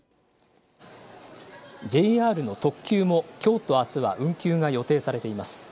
ＪＲの特急もきょうとあすは運休が予定されています。